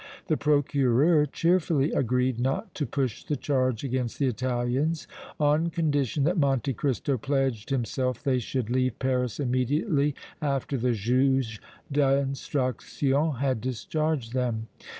The Procureur cheerfully agreed not to push the charge against the Italians on condition that Monte Cristo pledged himself they should leave Paris immediately after the Juge d' Instruction had discharged them.